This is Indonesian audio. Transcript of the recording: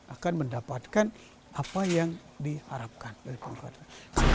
akan mendapatkan apa yang diharapkan dari pemerintah